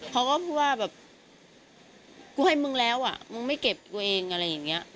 เขาก็พูดว่าแบบกูให้มึงแล้วอ่ะมึงไม่เก็บกูเองอะไรอย่างนี้